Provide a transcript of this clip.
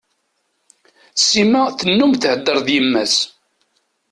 Sima tennum thedder d yemma-s.